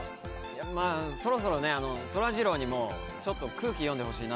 そろそろ、そらジローにも空気を読んでほしいな。